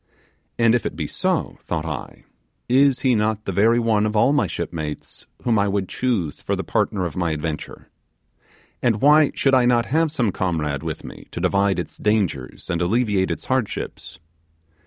And if it be so, thought I, is he not the very one of all my shipmates whom I would choose: for the partner of my adventure? and why should I not have some comrade with me to divide its dangers and alleviate its hardships?